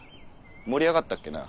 盛り上がったっけなぁ？